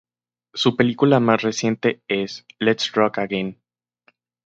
Su película más reciente es "Let's Rock Again!